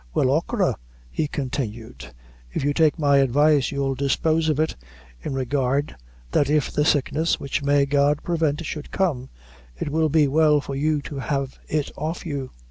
"Well, achora," he continued, "if you take my advice you'll dispose of it, in regard that if the sickness which may God prevent should come, it will be well for you to have it off you.